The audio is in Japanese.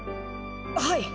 はい。